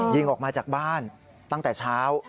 ยิงออกมาจากบ้านตั้งแต่เช้า